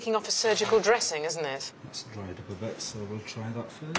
すごい！